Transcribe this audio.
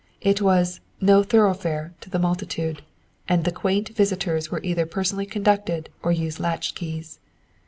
It was "No Thoroughfare" to the multitude, and the quaint visitors were either personally conducted or used latch keys.